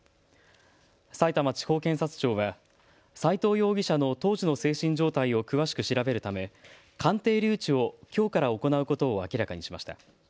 さいたま地方検察庁は斎藤容疑者の当時の精神状態を詳しく調べるため鑑定留置をきょうから行うことを明らかにしました。